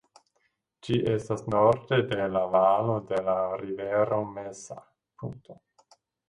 Ĝi estas norde de la valo de la rivero Mesa.